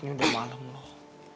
ini udah malem loh